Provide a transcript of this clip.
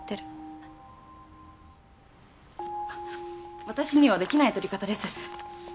あっ私にはできない撮り方です。